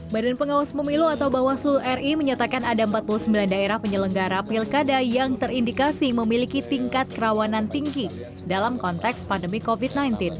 badan pengawas pemilu atau bawaslu ri menyatakan ada empat puluh sembilan daerah penyelenggara pilkada yang terindikasi memiliki tingkat kerawanan tinggi dalam konteks pandemi covid sembilan belas